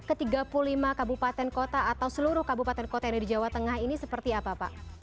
ke tiga puluh lima kabupaten kota atau seluruh kabupaten kota yang ada di jawa tengah ini seperti apa pak